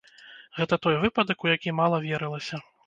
Гэта той выпадак, у які мала верылася.